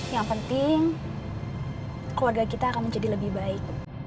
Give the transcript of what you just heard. yang penting keluarga kita akan menjadi lebih baik